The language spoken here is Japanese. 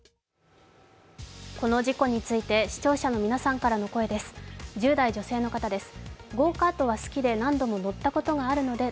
この事故について視聴者の皆さんからの声です。